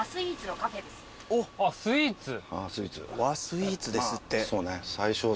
スイーツ。和スイーツですって。